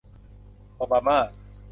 โอบาม่า